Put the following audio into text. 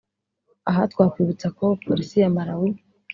Aha twakwibutsa ko Police ya Malawi